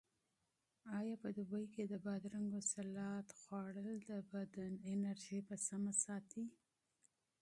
آیا په دوبي کې د بادرنګو سالاډ خوړل د بدن انرژي په سمه ساتي؟